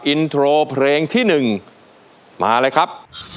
อินโทรเพลงที่๑มาเลยครับ